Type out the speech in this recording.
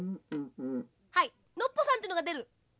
はいノッポさんってのがでる。